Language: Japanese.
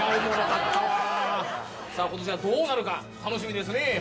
さあ今年はどうなるか楽しみですね！